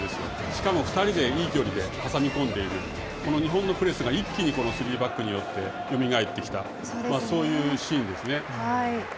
しかも２人でいい距離で挟み込んでいる、この日本のプレスが一気にスリーバックによってよみがえってきた、そういうシーンですね。